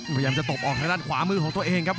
พยายามจะตบออกทางด้านขวามือของตัวเองครับ